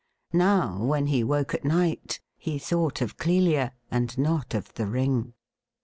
Now, when he woke at night he thought of Clelia, and not of the ring.